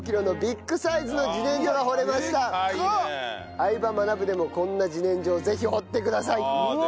「『相葉マナブ』でもこんな自然薯を是非掘ってください！」